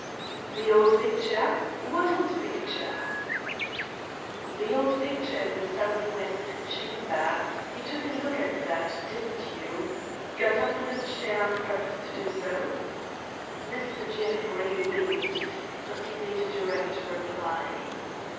"The old picture? What old picture?" "The old picture in the southwest chamber. You took a look at that, didn't you? Got up on a chair on purpose to do so?" Mr. Jeffrey winced. But he made a direct reply.